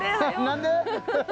何で？